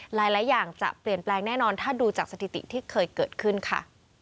หลายอย่างจะเปลี่ยนแปลงแน่นอนถ้าดูจากสถิติที่เคยเกิดขึ้นค่ะ